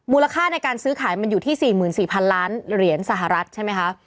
ค่าในการซื้อขายมันอยู่ที่๔๔๐๐๐ล้านเหรียญสหรัฐใช่ไหมคะ